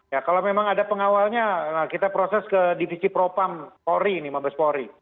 ya kalau memang ada pengawalnya kita proses ke divisi propam polri ini mabes polri